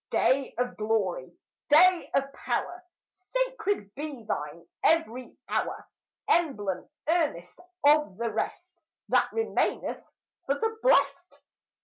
Day of glory! day of power! Sacred be thine ev'ry hour! Emblem, earnest of the rest That remaineth for the blest!